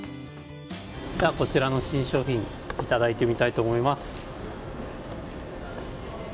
こちらの新商品いただいてみたいと思います。